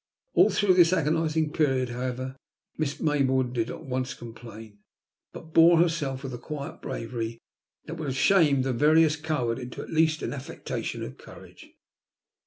All through this agonizing period, however. Miss Maybourne did not once complain, but bore herself with a quiet bravery that would have shamed the veriest coward into at least an affectation of courage.